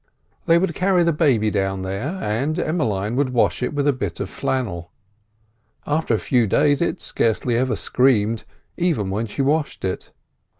They would carry the baby down here, and Emmeline would wash it with a bit of flannel. After a few days it scarcely ever screamed, even when she washed it.